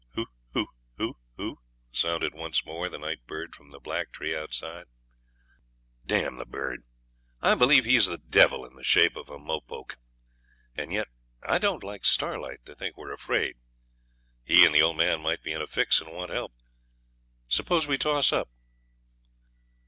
'Hoo hoo hoo hoo,' sounded once more the night bird from the black tree outside. 'D the bird! I believe he's the devil in the shape of a mopoke! And yet I don't like Starlight to think we're afraid. He and the old man might be in a fix and want help. Suppose we toss up?'